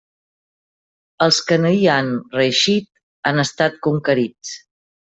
Els qui no hi han reeixit han estat conquerits.